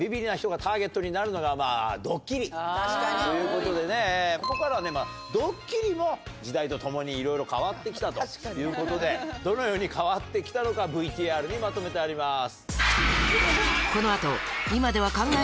になるのが。ということでここからはドッキリも時代とともにいろいろ変わって来たということでどのように変わって来たのかＶＴＲにまとめてあります。